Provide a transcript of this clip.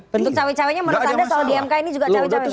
untuk cawe cawenya menurut anda soal dmk ini juga cawe cawe